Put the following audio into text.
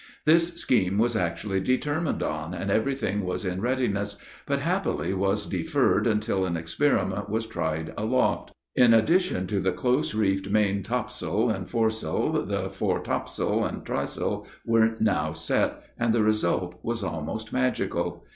This scheme was actually determined on, and every thing was in readiness, but happily was deferred until an experiment was tried aloft. In addition to the close reefed main topsail and foresail, the fore topsail, and trysail were now set, and the result was almost magical.